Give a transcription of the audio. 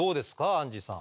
アンジーさん。